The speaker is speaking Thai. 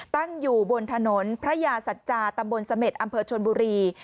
ตั้งอยู่บนถนนพระยาสัจจาตำบลเสม็ดอำเภอชนบุรี